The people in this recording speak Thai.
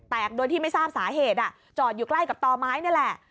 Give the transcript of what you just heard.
โดยที่ไม่ทราบสาเหตุจอดอยู่ใกล้กับต่อไม้นี่แหละ